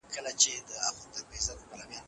دا لارښود ناروغان ډاډمن کولی شي.